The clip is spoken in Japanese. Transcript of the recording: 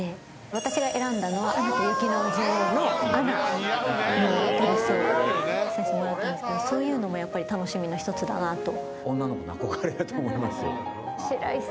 私が選んだのは『アナと雪の女王』のアナのドレスを着させてもらったんですけどそういうのも楽しみの一つだなと。